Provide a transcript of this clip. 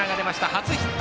初ヒット。